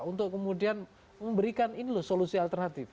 untuk kemudian memberikan ini loh solusi alternatif